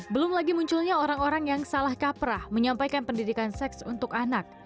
belum lagi munculnya orang orang yang salah kaprah menyampaikan pendidikan seks untuk anak